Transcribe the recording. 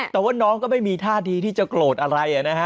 แต่ว่าน้องก็ไม่มีท่าทีที่จะโกรธอะไรนะฮะ